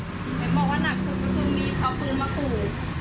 เห็นบอกว่าหนักสุดก็คือมีเอาปืนมาขู่